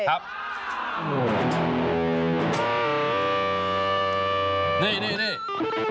ยังมียังไง